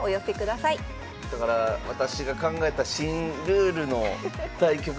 だから私が考えた新ルールの対局